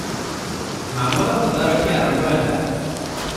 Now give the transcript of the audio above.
ମାମଲା ତଦାରଖି ଆରମ୍ଭ ହେଲା ।